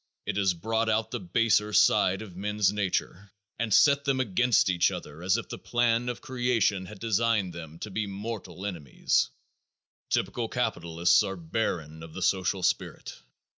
It has brought out the baser side of men's nature and set them against each other as if the plan of creation had designed them to be mortal enemies. Typical capitalists are barren of the social spirit.